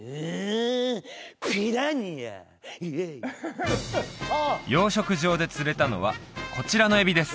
イエイ養殖場で釣れたのはこちらのエビです